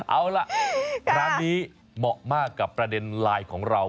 เอาล่ะร้านนี้เหมาะมากกับประเด็นไลน์ของเรา